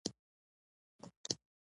د خدای نعمتونه حقير نه وينئ.